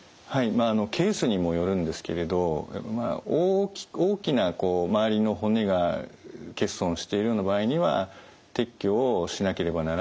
まあケースにもよるんですけれど大きなこう周りの骨が欠損しているような場合には撤去をしなければならないこともあります。